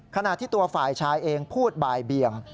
ขณะที่ตัวฝ่ายชายเองพูดบ่ายเบียง